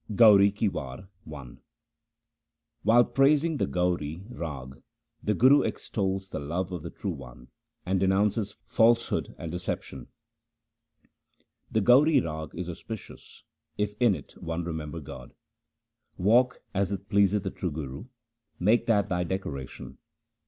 Gauri ki War I While praising the Gauri Rag the Guru extols the love of the True One and denounces falsehood and deception :— The Gauri Rag is auspicious, if in it one remember God. 188 THE SIKH RELIGION Walk as it pleaseth the true Guru ; make that thy decoration.